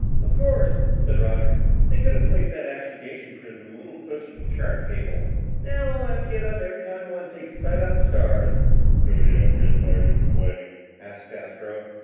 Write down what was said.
"Of course," said Roger, "they could have placed that astrogation prism a little closer to the chart table. Now I'll have to get up every time I want to take sights on stars!" "Don't you ever get tired of complaining?" asked Astro.